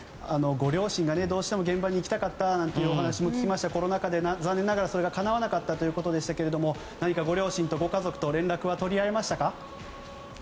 ご両親がどうしても現場に行きたかったというお話も聞きましてコロナ禍で残念ながらそれはかなわなかったということでしたが何か、ご家族と連絡は取り合いましたか？